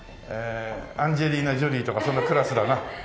アンジェリーナ・ジョリーとかそのクラスだな。